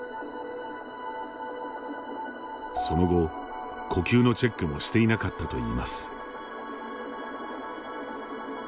その後、呼吸のチェックもしていなかったといいます。